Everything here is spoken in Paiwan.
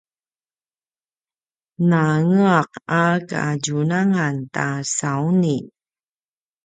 nangeaq a kadjunangan ta sauni